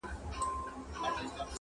له کماله یې خواږه انګور ترخه کړه-